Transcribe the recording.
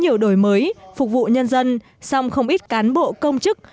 hiểu đổi mới phục vụ nhân dân xong không ít cán bộ công chức